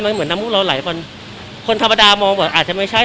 มันเหมือนน้ำมุเราไหลคนธรรมดามองว่าอาจจะไม่ใช่